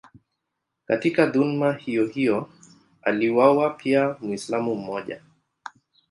Katika dhuluma hiyohiyo aliuawa pia Mwislamu mmoja.